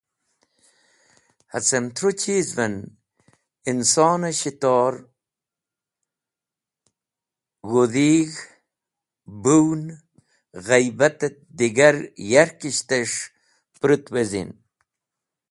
Hacem tru chiz’ven, inson-e shitor, g̃hudhig̃h, bũwn, ghaybat et digar yarkishtes̃h pũrũt wezin.